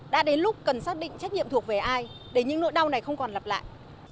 đã đến lúc cần xác định trách nhiệm thuộc về ai để những nỗi đau này không còn lặp lại